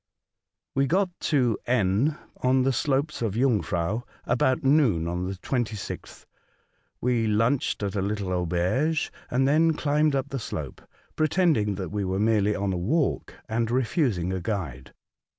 WE got to N , on the slopes of Jungfrau, about noon on the 26th. We lunched at a little auberge, and then climbed up the slope, pretending that we were merely on a walk, and refusing a guide.